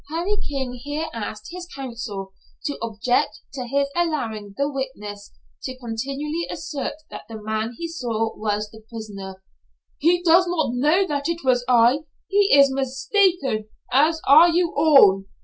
Harry King here asked his counsel to object to his allowing the witness to continually assert that the man he saw was the prisoner. "He does not know that it was I. He is mistaken as are you all."